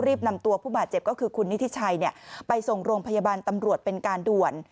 นำตัวผู้บาดเจ็บก็คือคุณนิทิชัยไปส่งโรงพยาบาลตำรวจเป็นการด่วน